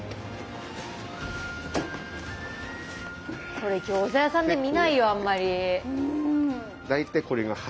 これ餃子屋さんで見ないよあんまり。